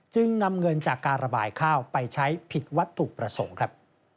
จึงนำเงินจากการระบายข้าวไปใช้ผิดวัตถุประสงค์ครับ